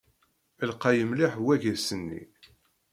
Lqay mliḥ waggas-nni?